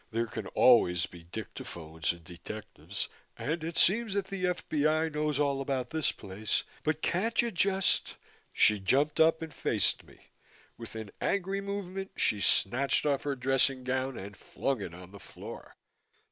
There can always be dictaphones and detectives and it seems that the F.B.I. knows all about this place, but can't you just " She jumped up and faced me. With an angry movement, she snatched off her dressing gown and flung it on the floor.